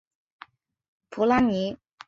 普拉尼。